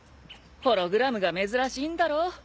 ホログラムが珍しいんだろう。